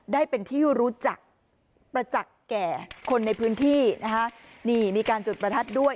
ได้เป็นที่รู้จักประจักษ์แก่คนในพื้นที่นะคะนี่มีการจุดประทัดด้วย